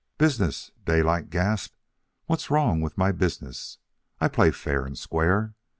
"Business!" Daylight gasped. "What's wrong with my business? I play fair and square.